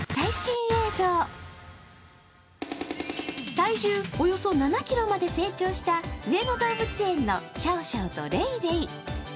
体重およそ７ｋｇまで成長した上野動物園のシャオシャオとレイレイ。